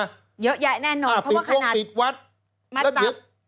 เยอะแยะแน่นอนเพราะว่าขนาดมัดจับปิดกรุงปิดวัดแล้วถึง